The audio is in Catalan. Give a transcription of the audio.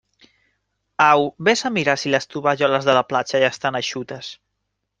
Au, vés a mirar si les tovalloles de la platja ja estan eixutes.